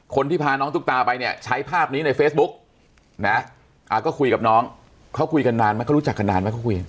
คนที่พาน้องตุ๊กตาไปเนี่ยใช้ภาพนี้ในเฟซบุ๊กนะก็คุยกับน้องเขาคุยกันนานไหมเขารู้จักกันนานไหมเขาคุย